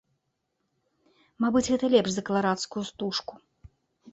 Мабыць, гэта лепш за каларадскую стужку.